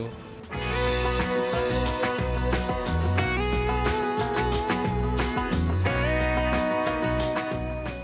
tidak ada yang bisa dikulik